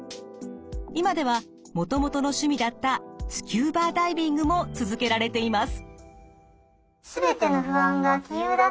今ではもともとの趣味だったスキューバダイビングも続けられています。